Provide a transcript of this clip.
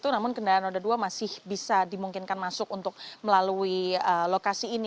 namun kendaraan roda dua masih bisa dimungkinkan masuk untuk melalui lokasi ini